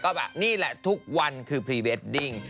ก็แบบนี่แหละทุกวันคือพรีเวดดิ้ง